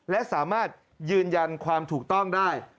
และสามารถยืนยันความถูกต้องได้